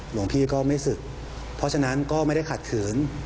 หลวงพี่ก็ไม่ศึกเพราะฉะนั้นก็ไม่ได้ขัดขืน